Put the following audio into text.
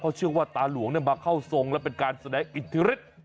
เชื่อว่าตาหลวงมาเข้าทรงและเป็นการแสดงอิทธิฤทธิ์